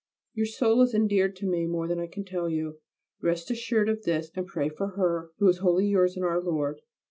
Your soul is endeared to me more than I can tell you. Rest assured of this and pray for her who is wholly yours in Our Lord.